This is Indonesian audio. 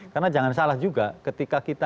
karena jangan salah juga ketika kita